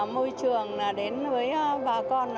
môi trường đến với bà con